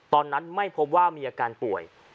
ตอนนั้นไม่พบว่ามีอาการป่วย